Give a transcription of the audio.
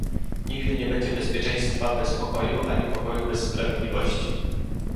Nigdy nie będzie bezpieczeństwa bez pokoju ani pokoju bez sprawiedliwości